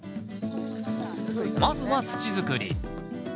まずは土づくり。